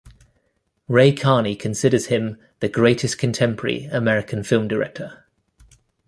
Ray Carney considers him the greatest contemporary American film director.